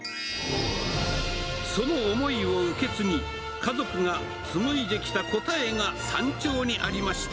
その思いを受け継ぎ、家族が紡いできた答えが山頂にありました。